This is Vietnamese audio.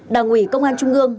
đảng ủy công an trung ương